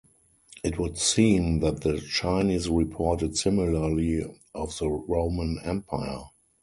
It would seem that the Chinese reported similarly of the Roman empire.